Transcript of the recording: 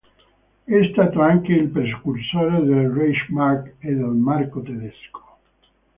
È stato anche il precursore del Reichsmark e del marco tedesco.